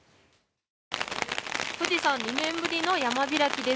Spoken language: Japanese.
富士山２年ぶりの山開きです。